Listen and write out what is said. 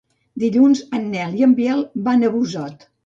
Dilluns en Nel i en Biel van a Busot.